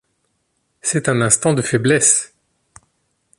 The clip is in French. C’est un instant de faiblesse !